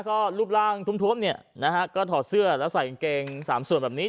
ก็รูปร่างทุ่มเนี่ยนะฮะก็ถอดเสื้อแล้วใส่กางเกงสามส่วนแบบนี้